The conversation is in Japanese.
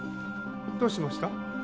どうしました？